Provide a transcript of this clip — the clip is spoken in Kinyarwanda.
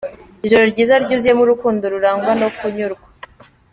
Ijoro ryiza ryuzuyemo urukundo rurangwa nokunyurwa.